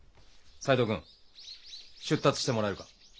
斎藤君出立してもらえるか？